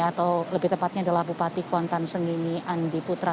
atau lebih tepatnya adalah bupati kuantan sengini andi putra